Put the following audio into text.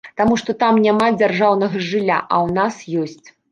Таму што там няма дзяржаўнага жылля, а ў нас ёсць.